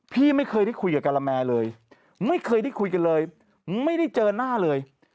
พี่ไม่เคยได้คุยกับกะละแมเลยไม่เคยได้คุยกันเลยไม่ได้เจอหน้าเลย